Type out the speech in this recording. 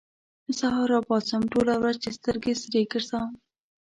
سهار راپاڅم، ټوله ورځ کې سترګې سرې ګرځوم